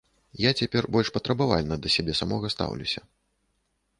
Я цяпер больш патрабавальна да сябе самога стаўлюся.